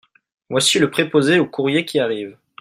Voici le préposé au courrier qui arrive.